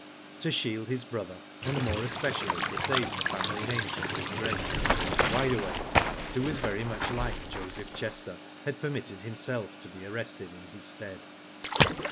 To shield his brother, and more especially to save the family name from disgrace, Wide Awake, who was very much like Joseph Chester, had permitted himself to be arrested in his stead.